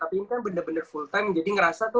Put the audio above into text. tapi ini kan bener bener full time jadi ngerasa tuh